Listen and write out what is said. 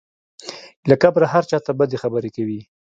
له کبره هر چا ته بدې خبرې کوي.